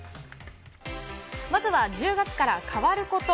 まずは１０月から変わること。